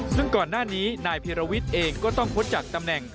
ซึ่งก่อนหน้านี้นายพิรวิทย์เองก็ต้องพ้นจากตำแหน่ง